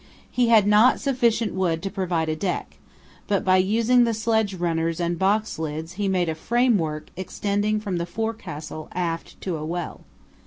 He had not sufficient wood to provide a deck, but by using the sledge runners and box lids he made a framework extending from the forecastle aft to a well.